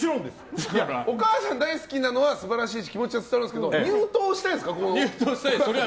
お母さん大好きなのは素晴らしいし気持ちは伝わるんですけど入党したいんですか？